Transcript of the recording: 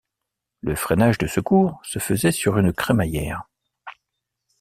Le freinage de secours se faisait sur une crémaillère.